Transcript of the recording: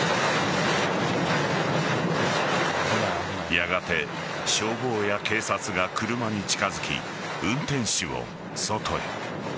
やがて、消防や警察が車に近づき運転手を外へ。